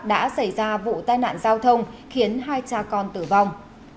đã xảy ra vụ tai nạn giao thông khiến hai cha con tử vong